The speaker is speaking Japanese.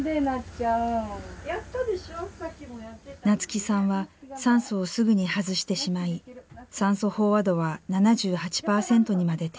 夏輝さんは酸素をすぐに外してしまい酸素飽和度は７８％にまで低下。